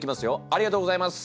ありがとうございます。